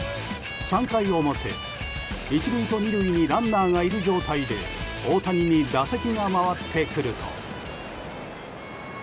３回表、１塁と２塁にランナーがいる状態で大谷に打席が回ってくると。